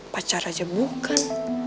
pacar aja bukan